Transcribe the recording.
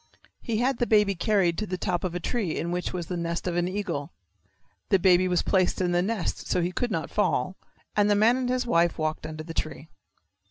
He had the baby carried to the top of a tree in which was the nest of an eagle. The baby was placed in the nest so he could not fall, and the man and his wife walked under the tree.